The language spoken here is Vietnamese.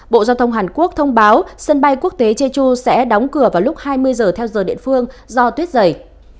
bộ giao thông hàn quốc thông báo sân bay quốc tế jeju sẽ đóng cửa vào lúc hai mươi giờ theo giờ địa phương do tuyết dày